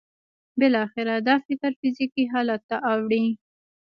بالاخره دا فکر فزیکي حالت ته اوړي